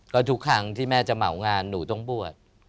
ก็ทุกครั้งที่แม่จะเหมางานหนูต้องบวช